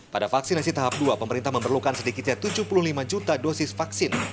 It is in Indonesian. pada vaksinasi tahap dua pemerintah memerlukan sedikitnya tujuh puluh lima juta dosis vaksin